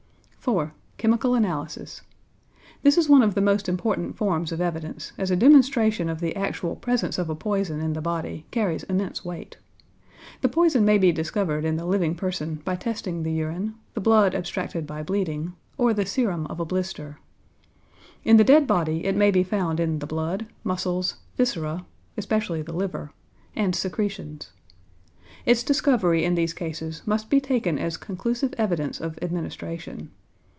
4. Chemical Analysis. This is one of the most important forms of evidence, as a demonstration of the actual presence of a poison in the body carries immense weight. The poison may be discovered in the living person by testing the urine, the blood abstracted by bleeding, or the serum of a blister. In the dead body it may be found in the blood, muscles, viscera especially the liver and secretions. Its discovery in these cases must be taken as conclusive evidence of administration.